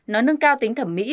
nó nâng cao tính thẩm mỹ